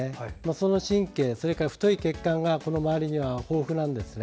その神経、それから太い血管がこの周りには豊富なんです。